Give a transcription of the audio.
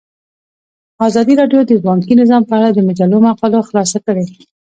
ازادي راډیو د بانکي نظام په اړه د مجلو مقالو خلاصه کړې.